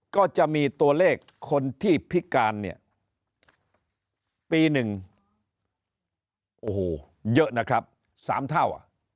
ก็จะมีตัวเลขคนที่พิการเนี่ยปีหนึ่งโอ้โหเยอะนะครับ๓เท่า